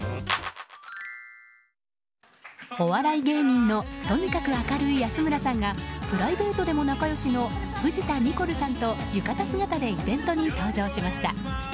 お笑い芸人のとにかく明るい安村さんがプライベートでも仲良しの藤田ニコルさんと浴衣姿でイベントに登場しました。